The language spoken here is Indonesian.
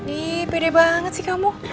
ini pede banget sih kamu